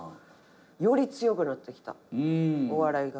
より強くなってきたお笑いが。